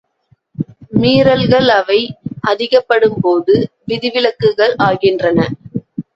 மீறல்கள் அவை அதிகப்படும்போது விதிவிலக்குகள் ஆகின்றன.